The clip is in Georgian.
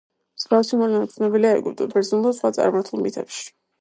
მსგავსი მოვლენა ცნობილია ეგვიპტურ, ბერძნულ და სხვა წარმართულ მითებში.